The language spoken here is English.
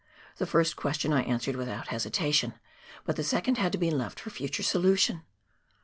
The first question I answered without hesitation, but the second had to be left for future solution.